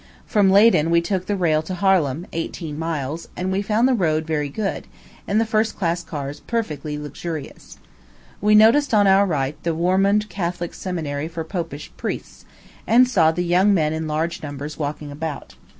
From Leyden we took the rail to Harlem, eighteen miles; and we found the road very good, and the first class cars perfectly luxurious. We noticed on our right hand the Warmond Catholic Seminary for Popish priests, and saw the young men in large numbers, walking about.